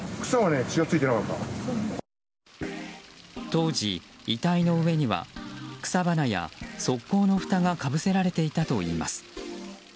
当時、遺体の上には草花や側溝のふたがかぶせられていたといいます。